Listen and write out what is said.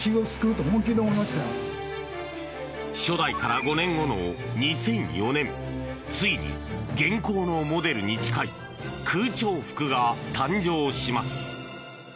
初代から５年後の２００４年ついに現行のモデルに近い空調服が誕生します。